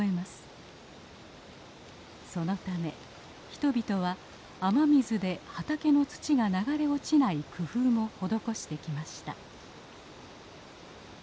そのため人々は雨水で畑の土が流れ落ちない工夫も施してきました。